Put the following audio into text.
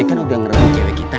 ini kan udah ngerangin cewek kita